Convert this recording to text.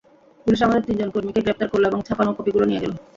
Police আমাদের তিনজন কর্মীকে গ্রেপ্তার করল এবং ছাপানো কপিগুলো নিয়ে গেল।